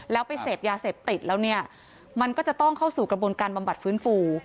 เราต้องเข้าสู่กระบวนการบำบัดฟื้นฟู